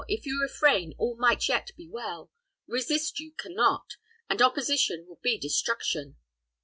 If you refrain, all may yet be well. Resist you can not, and opposition will be destruction."